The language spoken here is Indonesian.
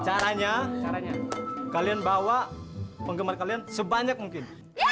caranya caranya kalian bawa penggemar kalian sebanyak mungkin